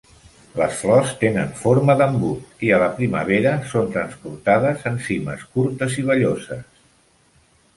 Les flors tenen forma d'embut, i a la primavera són transportades en cimes curtes i velloses.